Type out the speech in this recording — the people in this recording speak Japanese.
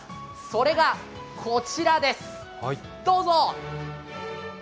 それがこちらです、どうぞ！